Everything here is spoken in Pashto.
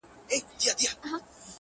• تا چي نن په مينه راته وكتل.